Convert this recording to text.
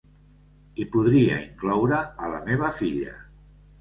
I podria incloure a la meva filla,.